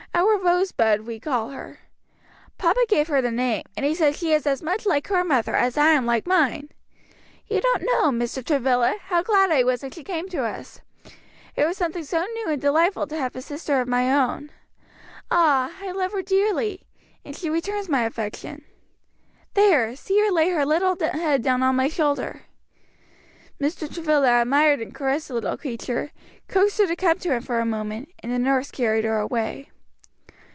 Our Rosebud we call her. Papa gave her the name, and he says she is as much like her mother as I am like mine. You don't know, Mr. Travilla, how glad I was when she came to us; it was something so new and delightful to have a sister of my own. Ah, I love her dearly, and she returns my affection. There, see her lay her little head down on my shoulder." Mr. Travilla admired and caressed the little creature, coaxed her to come to him for a moment, and the nurse carried her away.